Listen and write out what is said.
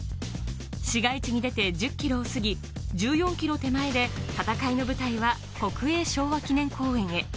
市街地に出て、１０ｋｍを過ぎ１４ｋｍ手前で戦いの舞台は国営昭和記念公園へ。